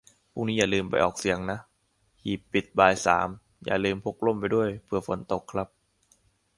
พรุ่งนี้อย่าลืมไปออกเสียงนะ ; หีบปิดบ่ายสาม อย่าลืมพกร่มไปด้วย เผื่อฝนตกครับ